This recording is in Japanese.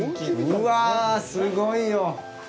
うわ、すごいよ。